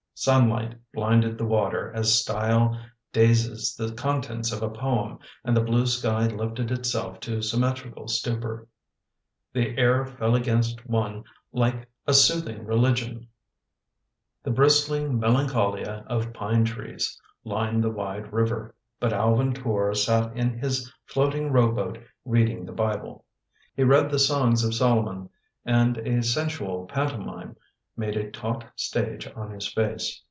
Sunlight blinded the water as style dazes the contents of a poem and the blue sky lifted itself to symmetrical stupor. The air fell against one like a soothing religion. The bristling melancholia of pine trees lined the wide river. But Alvin Tor sat in his floating row boat, reading the Bible. He read the Songs of Solomon, and a sensual pantomime made a taut stage of his face.